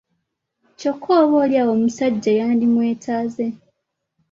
Kyokka oboolyawo omusajja yandimwetaaze!